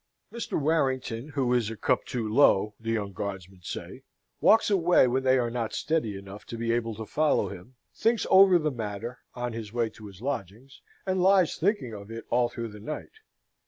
Mr. Warrington, who is a cup too low, the young Guardsmen say, walks away when they are not steady enough to be able to follow him, thinks over the matter on his way to his lodgings, and lies thinking of it all through the night.